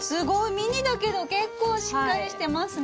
ミニだけど結構しっかりしてますね。